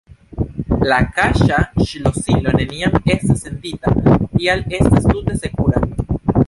La kaŝa ŝlosilo neniam estas sendita, tial estas tute sekura.